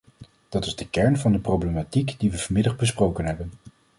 Dat is de kern van de problematiek die we vanmiddag besproken hebben.